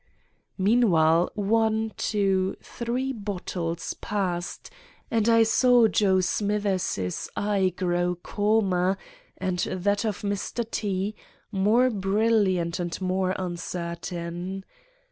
"Meanwhile one, two, three bottles passed, and I saw Joe Smithers's eye grow calmer and that of Mr. T—— more brilliant and more uncertain.